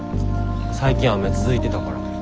最近雨続いてたから。